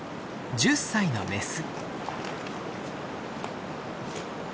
１０歳のメス。